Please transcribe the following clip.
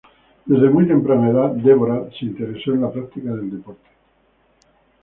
Desde muy temprana edad Deborah se interesó en la práctica del deporte.